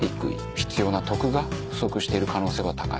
必要な徳が不足している可能性は高い。